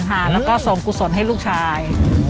แล้วก็ส่งกุศลให้ลูกชาย